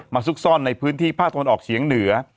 ซุกซ่อนในพื้นที่ภาคตะวันออกเฉียงเหนือ